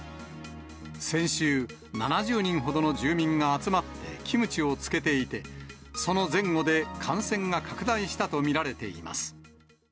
先週、７０人ほどの住民が集まってキムチを漬けていて、その前後で感染が拡大したと見られています。